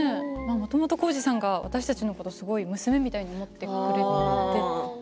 もともと耕史さんが私たちのことを娘のように思ってくれていて。